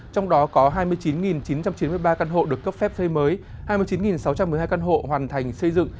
trong đó có hai mươi chín chín trăm chín mươi ba căn hộ được cấp phép xây mới hai mươi chín sáu trăm một mươi hai căn hộ hoàn thành xây dựng